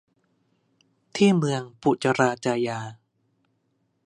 ที่เมืองปุจราจายา